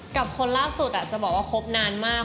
กับคนล่าสุดจะบอกว่าครบนานมาก